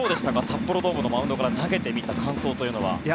札幌ドームのマウンドから投げてみた感想というのは。